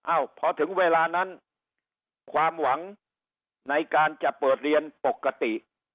พอถึงเวลานั้นความหวังในการจะเปิดเรียนปกติ